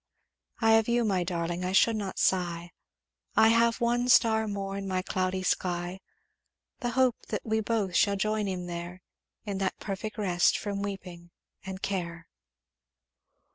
"'I have you, my darling I should not sigh. I have one star more in my cloudy sky, The hope that we both shall join him there, In that perfect rest from weeping and care.'"